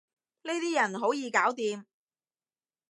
呢啲人好易搞掂